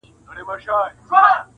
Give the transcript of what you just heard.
چي زموږ پر خاوره یرغلونه کیږي-